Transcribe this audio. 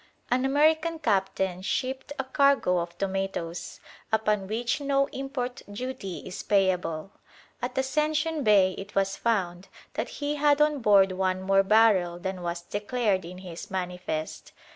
An American captain shipped a cargo of tomatoes, upon which no import duty is payable. At Ascension Bay it was found that he had on board one more barrel than was declared in his "manifest."